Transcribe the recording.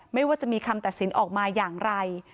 ไม่ว่าจะมีคำตัดสินออกมาอย่างไร